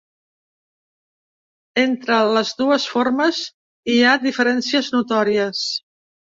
Entre les dues formes hi ha diferències notòries.